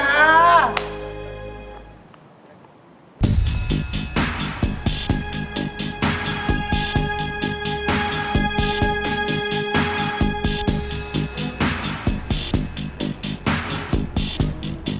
namanya apaan yang berarti